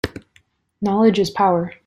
Knowledge is power.